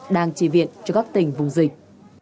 đang trì viện cho các tỉnh vùng dịch